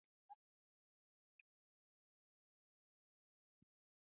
د پېرایټرایکس فلاجیل لرونکو باکتریاوو په نوم یادیږي.